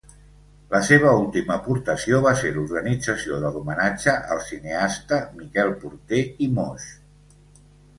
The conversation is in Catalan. La seva última aportació va ser l'organització de l'Homenatge al cineasta Miquel Porter i Moix.